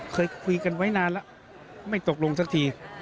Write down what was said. เคยคุยกันไว้นานแล้วไม่ตกลงสักที